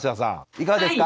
いかがですか？